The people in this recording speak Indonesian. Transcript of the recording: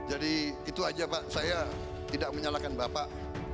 jadi itu aja pak saya tidak menyalahkan bapak